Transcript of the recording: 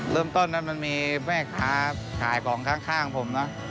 เริ่มต้นนั้นมันมีแม่ค้าขายของข้างผมนะ